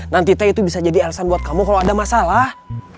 nanti teh itu bisa jadi alasan buat kamu kalau ada masalah